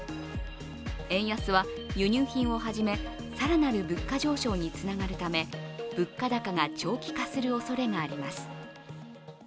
円安は輸入品をはじめ更なる物価上昇につながるため、物価高が長期化するおそれがあります。